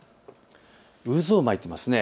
渦を巻いています。